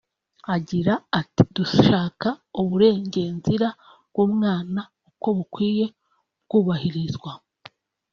Agira ati “Dushaka uburengenzira bw’umwana uko bukwiye bwubahirizwa